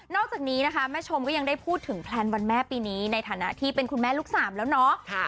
อกจากนี้นะคะแม่ชมก็ยังได้พูดถึงแพลนวันแม่ปีนี้ในฐานะที่เป็นคุณแม่ลูกสามแล้วเนาะ